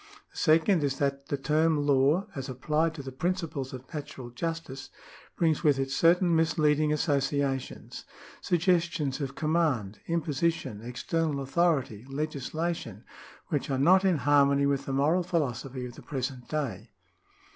The second is that the term law, as applied to the principles of natural justice, brings with it certain misleading associations — suggestions of command, imposition, external authority, legislation — which are not in harmony with the moral philosophy of the present day.